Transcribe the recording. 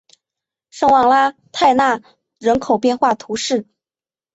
圣旺拉泰讷人口变化图示